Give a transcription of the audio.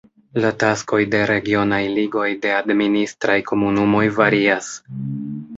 La taskoj de regionaj ligoj de administraj komunumoj varias.